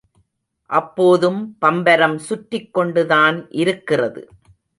அப்போதும் பம்பரம் சுற்றிக்கொண்டுதான் இருக்கிறது.